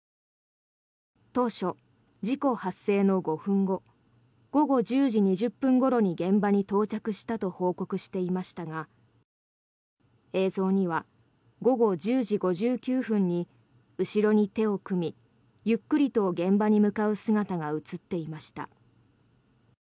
当初、事故発生の５分後午後１０時２０分ごろに現場に到着したと報告していましたが映像には午後１０時５９分に後ろに手を組みゆっくりと現場に向かう姿が映っていました。